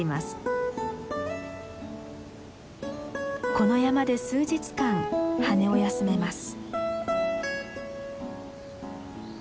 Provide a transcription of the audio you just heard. この山で数日間羽を休めます。